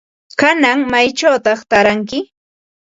¿Kanan maychawta taaranki?